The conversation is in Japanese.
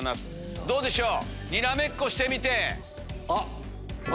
どうでしょう。